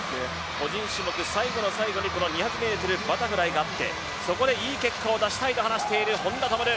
個人種目、最後の最後にこのバタフライがあってそこでいい結果を出したいと話している、本多灯。